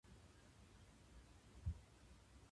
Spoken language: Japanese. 無用なもののたとえ。